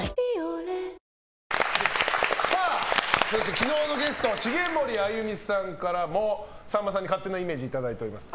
昨日のゲスト茂森あゆみさんからもさんまさんに勝手なイメージいただいてます。